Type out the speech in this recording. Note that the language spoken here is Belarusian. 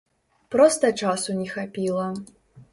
Проста часу не хапіла.